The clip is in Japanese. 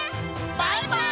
バイバイ！